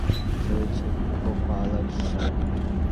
অনেক অধিকার ত্যাগ করিয়া ছেলের ইচ্ছায় গোপাল আজ সায় দিবে।